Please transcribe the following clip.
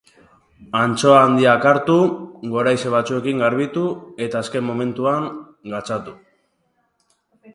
Antxoa handiak hartu, goraize batzuekin garbitu, eta azken momentuan gatzatu.